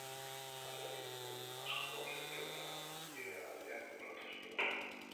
Baliabide tekniko asko aurkitu eta bide berriak urratu zituen.